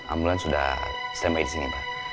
ambulans sudah selesai disini pak